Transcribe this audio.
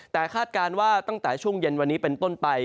แต่คาดการณ์ว่าตั้งแต่ช่วงเย็นวันนี้เป็นต้นไป